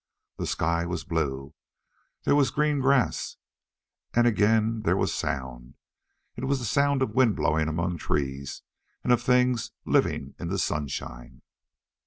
The sky was blue. There was green grass. And again there was sound. It was the sound of wind blowing among trees, and of things living in the sunshine.